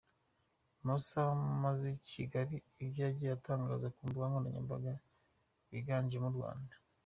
Mu masaha amaze i Kigali ibyo yagiye atangaza ku mbuga nkoranyambaga byiganjemo u Rwanda.